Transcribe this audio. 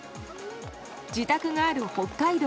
自宅がある北海道